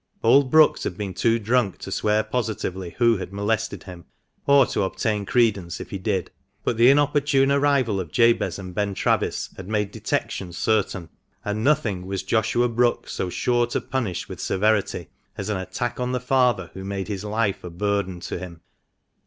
Old Brookes had been too drunk to swear positively who had molested him, or to obtain credence if he did ; but the inopportune arrival of Jabez and Ben Travis had made detection certain, and nothing was Joshua Brookes so sure to punish with severity as an attack on the father who made his life a burden to him.